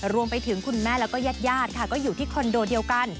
รวมไปถึงคุณแม่แล้วก็ญาติค่ะก็อยู่ที่คอนโดเดียวกัน